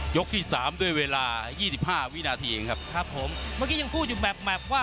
ที่สามด้วยเวลายี่สิบห้าวินาทีเองครับครับผมเมื่อกี้ยังพูดอยู่แบบแบบว่า